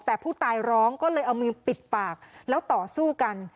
แต่ผู้ตายร้องก็เลยเอามือปิดปากแล้วต่อสู้กัน